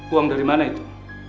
uang dari mana itu